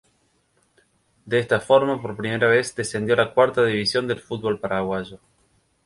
De esta forma por primera vez descendió a la Cuarta División del fútbol paraguayo.